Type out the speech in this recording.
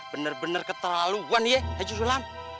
bener bener keterlaluan ya haji sulam